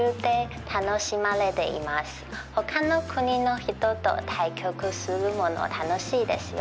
ほかの国の人と対局するのも楽しいですよ。